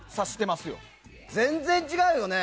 全然違うよね？